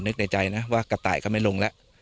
นึกในใจนะว่ากระต่ายก็ไม่ลงแล้ว